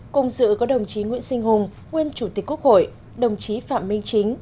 cùng dự có đồng chí nguyễn sinh hùng nguyên chủ tịch quốc hội đồng chí phạm minh chính